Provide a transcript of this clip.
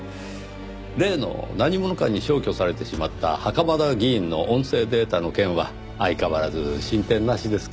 例の何者かに消去されてしまった袴田議員の音声データの件は相変わらず進展なしですか？